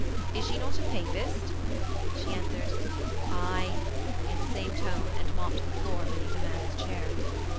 'Is she not a Papist?' She answered, 'Aye,' in the same tone and mopped the floor beneath a man's chair.